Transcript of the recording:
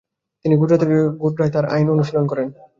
তিনি গুজরাতের গোধরায় তাঁর আইন অনুশীলন শুরু করেন।